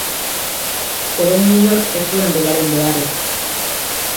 Orain inork ez zuen beraren beharrik.